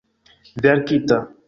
verkita